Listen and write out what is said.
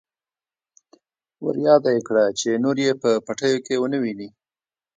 ورياده يې کړه چې نور يې په پټيو کې ونه ويني.